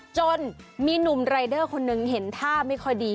จนมีหนุ่มรายเดอร์คนหนึ่งเห็นท่าไม่ค่อยดี